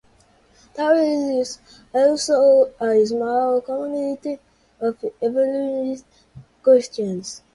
There is also a small community of Evangelist Christians.